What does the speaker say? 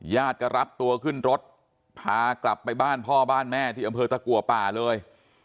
ญาติก็รับตัวขึ้นรถพากลับไปบ้านพ่อบ้านแม่ที่อำเภอตะกัวป่าเลย